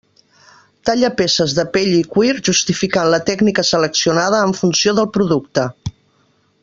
Talla peces de pell i cuir justificant la tècnica seleccionada en funció del producte.